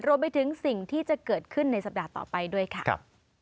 รวมไปถึงสิ่งที่จะเกิดขึ้นในสัปดาห์ต่อไปด้วยค่ะ